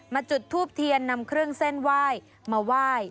จุดทูบเทียนนำเครื่องเส้นไหว้มาไหว้